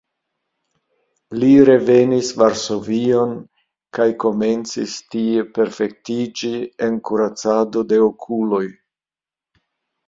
Li revenis Varsovion kaj komencis tie perfektiĝi en kuracado de okuloj.